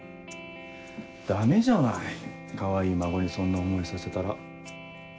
ダメじゃないかわいい孫にそんな思いさせたら。